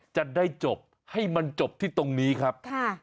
จะได้จบให้มันจบที่ตรงนี้ครับ